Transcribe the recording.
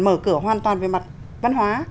mở cửa hoàn toàn về mặt văn hóa